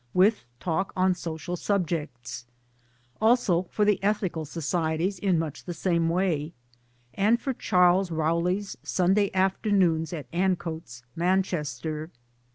with talk on social subjects ; also for the Ethical societies in much the same way ; and for Charles Rowley's Sunday afternoons at Ancoats, Manchester.